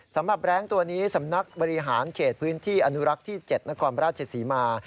แร้งตัวนี้สำนักบริหารเขตพื้นที่อนุรักษ์ที่๗นครราชศรีมา